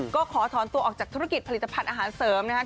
ก็ขอถอนตัวออกจากธุรกิจผลิตภัณฑ์อาหารเสริมนะครับ